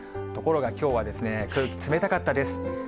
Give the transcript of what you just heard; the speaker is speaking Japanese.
ところがきょうは空気冷たかったです。